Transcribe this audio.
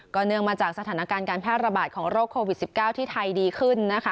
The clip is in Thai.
เนื่องมาจากสถานการณ์การแพร่ระบาดของโรคโควิด๑๙ที่ไทยดีขึ้นนะคะ